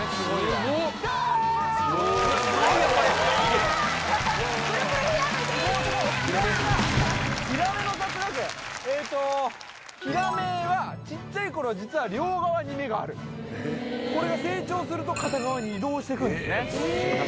これをヒラメかヒラメの雑学えっとヒラメはちっちゃい頃実は両側に目があるこれが成長すると片側に移動してくんですね